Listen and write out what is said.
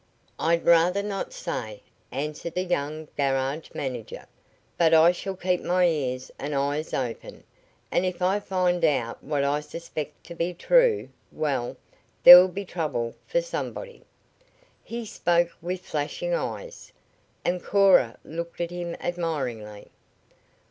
"I'd rather not say," answered the young garage manager. "But I shall keep my ears and eyes open, and if I find out what I suspect to be true well, there'll be trouble for somebody." He spoke with flashing eyes, and Cora looked at him admiringly.